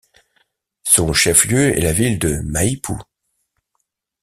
Son chef-lieu est la ville de Maipú.